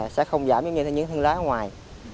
sẽ không giảm như những thu lúa ở ngoài